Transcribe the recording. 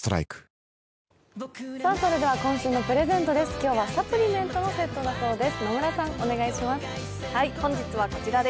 今日はサプリメントのセットです。